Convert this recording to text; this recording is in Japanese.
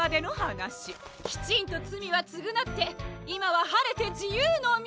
きちんとつみはつぐなっていまははれてじゆうのみ！